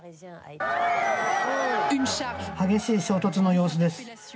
激しい衝突の様子です。